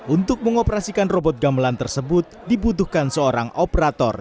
untuk mengoperasikan robot gamelan tersebut dibutuhkan seorang operator